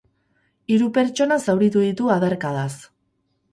Hiru pertsona zauritu ditu adarkadaz.